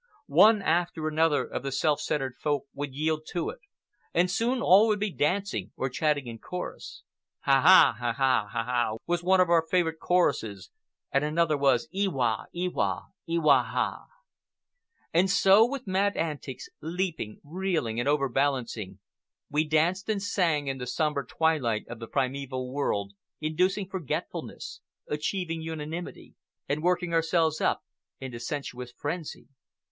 One after another of the self centred Folk would yield to it, and soon all would be dancing or chanting in chorus. "Ha ah, ha ah, ha ah ha!" was one of our favorite choruses, and another was, "Eh wah, eh wah, eh wah hah!" And so, with mad antics, leaping, reeling, and over balancing, we danced and sang in the sombre twilight of the primeval world, inducing forgetfulness, achieving unanimity, and working ourselves up into sensuous frenzy.